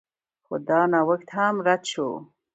خو دا نوښت هم رد شو.